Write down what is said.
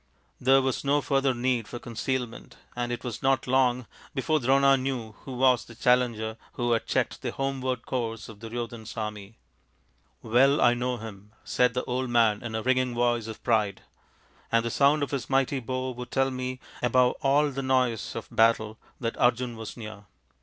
There was no further need for concealment, and it was not long before Drona knew who was the challenger who had checked the homeward course of Duryodhan's army. " Well I know him/' said the old man in a ringing voice of pride, " and the sound of his mighty bow would tell me above all the noise of battle that Arjun was near.